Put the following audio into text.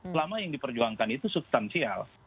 selama yang diperjuangkan itu substansial